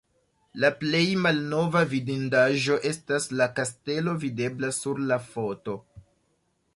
La plej malnova vidindaĵo estas la kastelo videbla sur la foto.